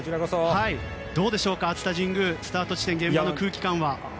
どうでしょうか熱田神宮スタート地点の現場は？